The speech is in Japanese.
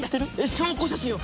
証拠写真を！